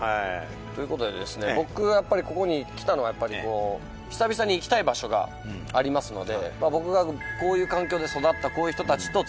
僕がここにやっぱり来たのは、久々に行きたい場所がありますので。